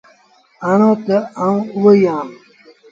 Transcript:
آڻو تا آئوٚنٚ اوٚ ئيٚ اهآنٚ۔